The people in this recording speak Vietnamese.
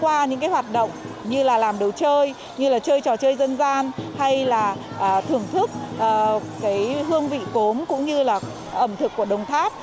qua những cái hoạt động như là làm đồ chơi như là chơi trò chơi dân gian hay là thưởng thức cái hương vị cốm cũng như là ẩm thực của đồng tháp